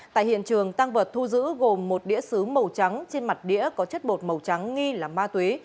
tại hiện trường tăng vật thu giữ gồm một đĩa xứ màu trắng trên mặt đĩa có chất bột màu trắng nghi là ma túy